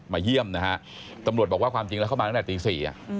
เยี่ยมนะฮะตำรวจบอกว่าความจริงแล้วเข้ามาตั้งแต่ตี๔